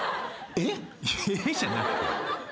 「えっ？」じゃなくて。